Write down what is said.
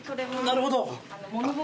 なるほど。